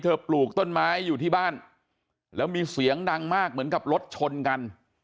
ปลูกต้นไม้อยู่ที่บ้านแล้วมีเสียงดังมากเหมือนกับรถชนกัน